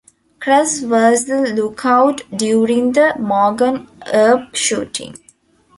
Cruz was the lookout during the Morgan Earp shooting.